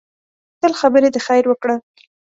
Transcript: تل خبرې د خیر وکړه